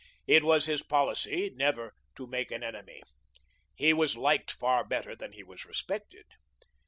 It was his policy never to make an enemy. He was liked far better than he was respected.